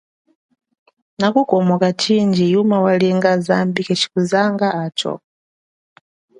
Nakukomoka chindji yuma walinga zambi keshi kuzanga acho.